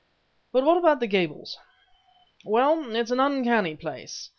But about the Gables?" "Well, it's an uncanny place.